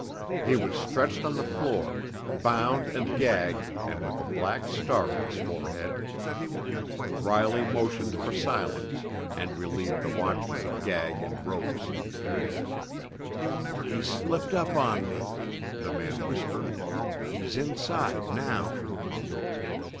He was stretched on the floor, bound and gagged and with a black star on his forehead. Riley motioned for silence, and relieved the watchman of gag and ropes. "He slipped up on me," the man whispered. "He's inside now."